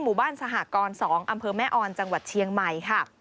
หมู่บ้านสหกร๒อำเภอแม่ออนจังหวัดเชียงใหม่ค่ะ